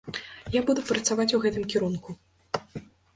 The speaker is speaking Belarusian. Я буду працаваць у гэтым кірунку.